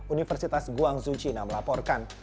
universitas guangzhou china melaporkan